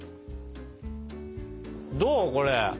どうこれ？